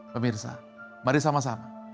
pemirsa mari sama sama